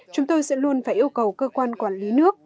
chúng tôi sẽ luôn phải yêu cầu cơ quan quản lý nước